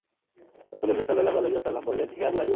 রাসূলুল্লাহ সাল্লাল্লাহু আলাইহি ওয়াসাল্লাম বললেন, হে আবু আইয়ূব!